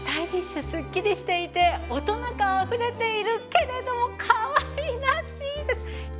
すっきりしていて大人感あふれているけれどもかわいらしいです！